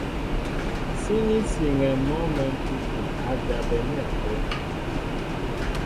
Síní siŋɛ mɔ́ mɛ̌mpíki a jabɛnɛ́ ápə́.